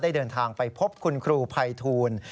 ได้เดินทางไปพบคุณครูไพทูล